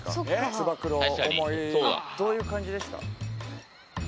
つば九郎どういう感じでした？